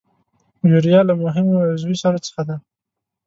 یوریا له مهمو عضوي سرو څخه ده.